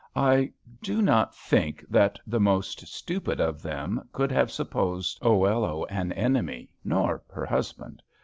I do not think that the most stupid of them could have supposed Oello an enemy, nor her husband.